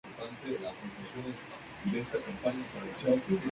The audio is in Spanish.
La concentración de nutrientes es importante.